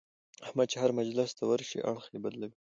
احمد چې هر مجلس ته ورشي اړخ یې بدلوي.